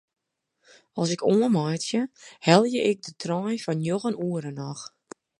As ik oanmeitsje helje ik de trein fan njoggen oere noch.